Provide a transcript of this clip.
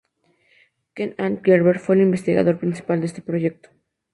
Kent A. Gerber fue el investigador principal de este proyecto.